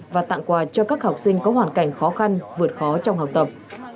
và tặng quà cho các học sinh có hoàn cảnh khó khăn vượt khó trong học tập